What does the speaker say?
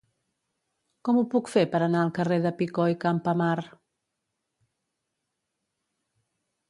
Com ho puc fer per anar al carrer de Picó i Campamar?